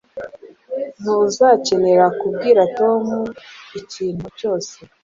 Ntuzakenera kubwira Tom ikintu cyose